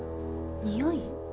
におい？